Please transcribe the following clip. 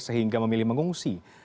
sehingga memilih mengunggah